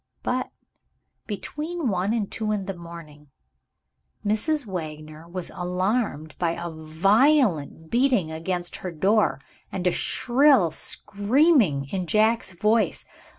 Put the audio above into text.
But, between one and two in the morning, Mrs. Wagner was alarmed by a violent beating against her door, and a shrill screaming in Jack's voice.